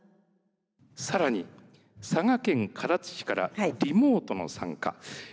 更に佐賀県唐津市からリモートの参加。